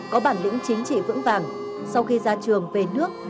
có bản lĩnh chính trị vững vàng sau khi ra trường về nước